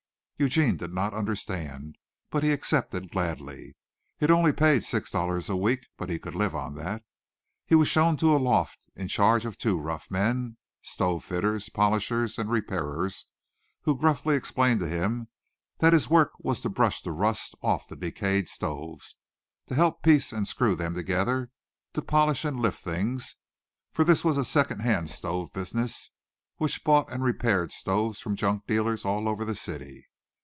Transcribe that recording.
Eugene did not understand, but he accepted gladly. It only paid six dollars a week, but he could live on that. He was shown to a loft in charge of two rough men, stove fitters, polishers, and repairers, who gruffly explained to him that his work was to brush the rust off the decayed stoves, to help piece and screw them together, to polish and lift things, for this was a second hand stove business which bought and repaired stoves from junk dealers all over the city.